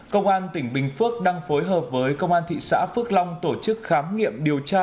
công an tỉnh bình phước đang phối hợp với công an thị xã phước long tổ chức khám nghiệm điều tra